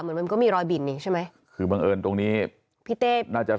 มันก็มีรอยบินนี่ใช่ไหมคือบังเอิญตรงนี้พี่เต้น่าจะ